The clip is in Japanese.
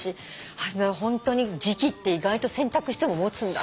あとホントに磁気って意外と洗濯しても持つんだって。